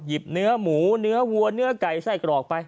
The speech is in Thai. เนื้อหมูเนื้อวัวเนื้อไก่ไส้กรอกไป